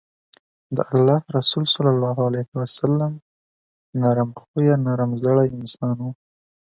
د الله رسول صلی الله عليه وسلّم نرم خويه، نرم زړی انسان وو